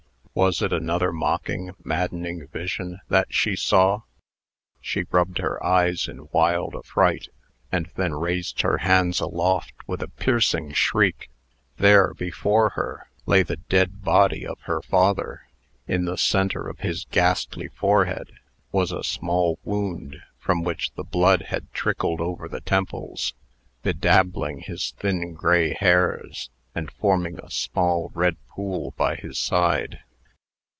Was it another mocking, maddening vision that she saw? She rubbed her eyes in wild affright, and then raised her hands aloft with a piercing shriek. There, before her, lay the dead body of her father. In the centre of his ghastly forehead was a small wound, from which the blood had trickled over the temples, bedabbling his thin gray hairs, and forming a small red pool by his side.